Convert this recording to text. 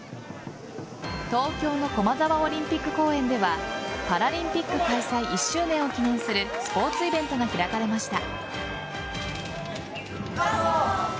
東京の駒沢オリンピック公園ではパラリンピック開催１周年を記念するスポーツイベントが開かれました。